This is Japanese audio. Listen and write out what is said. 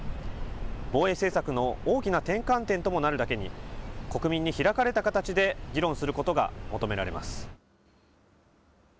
防衛政策の大きな転換点ともなるだけに、国民に開かれた形で議論することが求められます。